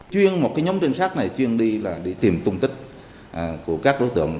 chuyên một cái nhóm trinh sát này chuyên đi là đi tìm tung tích của các đối tượng